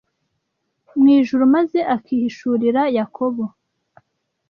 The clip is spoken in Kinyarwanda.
mu ijuru maze akihishurira Yakobo